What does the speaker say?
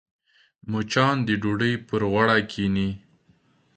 مچان د ډوډۍ پر غوړه کښېني